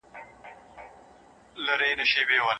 د شرعي او فقهي قواعدو په اساس دي ضررونه مقايسه سي.